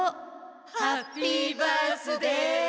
ハッピー・バースデー！